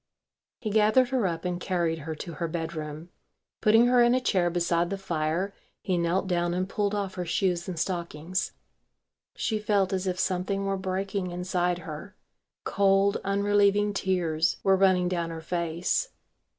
He gathered her up and carried her to her bedroom. Putting her in a chair beside the fire he knelt down and pulled off her shoes and stockings. She felt as if something were breaking inside her. Cold unrelieving tears were running down her face.